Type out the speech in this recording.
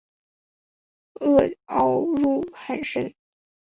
萼凹入很深。